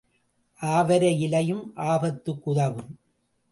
ஆவாரை இலையும் ஆபத்துக்கு உதவும்.